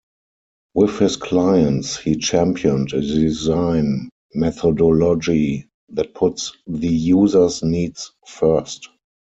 With his clients, he championed a design methodology that puts the users' needs first.